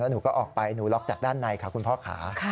หนูก็ออกไปหนูล็อกจากด้านในค่ะคุณพ่อค่ะ